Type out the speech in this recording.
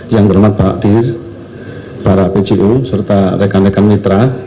yang bermanfaat di para pju serta rekan rekan mitra